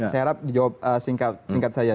saya harap dijawab singkat saja